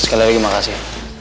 sekali lagi makasih